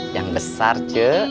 yang besar c